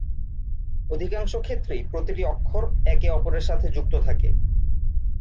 অধিকাংশ ক্ষেত্রেই প্রতিটি অক্ষর একে অপরের সাথে যুক্ত থাকে।